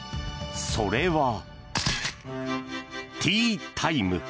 それはティータイム。